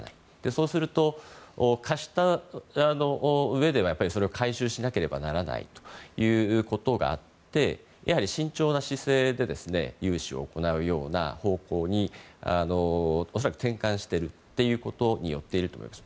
そうすると、貸したうえでは回収しなければならないということがあってやはり慎重な姿勢で融資を行うような方向に恐らく、転換していることによると思います。